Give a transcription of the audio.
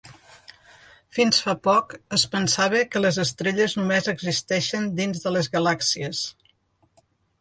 Fins fa poc, es pensava que les estrelles només existeixen dins de les galàxies.